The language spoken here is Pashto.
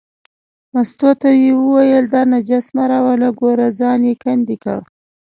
مستو ته یې وویل دا نجس مه راوله، ګوره ځای یې کندې کړ.